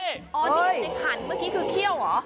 นี่ในขันเมื่อกี้คือเขี้ยวเหรอ